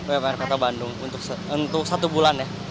wpr kota bandung untuk satu bulan ya